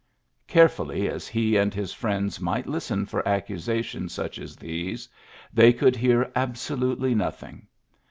Carefully as he and his friends might listen for aCusations such as these, they could hear absolutely nothing.